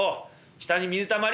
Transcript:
下に水たまり！